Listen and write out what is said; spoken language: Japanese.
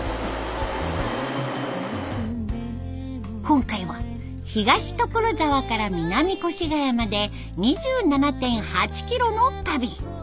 今回は東所沢から南越谷まで２７．８キロの旅。